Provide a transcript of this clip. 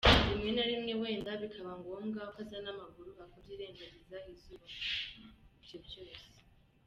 Rimwe na rimwe wenda bikaba ngombwa ko aza n'amaguru, akabyirengagiza, izuba, ibyo byose,.